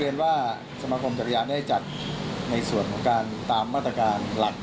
เรียนว่าสมาคมจักรยานได้จัดในส่วนของการตามมาตรการหลัก